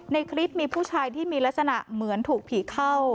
ในคลิปมีผู้ชายที่มีลักษณะเหมือนถูกผีเข้า